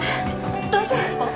大丈夫ですか！？